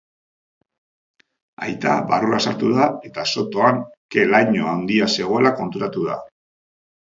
Aita barrura sartu da eta sotoan ke-laino handia zegoela konturatu da.